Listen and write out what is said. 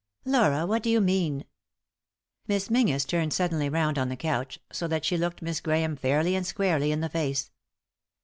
" Laura, what do you mean ?" Miss Menzies turned suddenly round on the couch, so that she looked Miss Grahame fairly and squarely in the face.